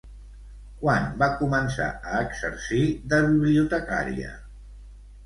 Quan va començar a exercir de bibliotecària?